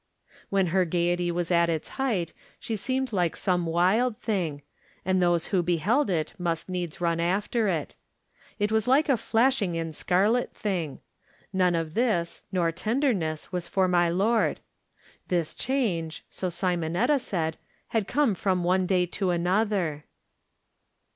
When her gaiety was at its height she seemed like some wild thing, and those who beheld it must needs run after it. It was like a flashing and scarlet thing. None of this, nor tenderness, was for my lord. This change, so Simonetta said, had come from one day to another.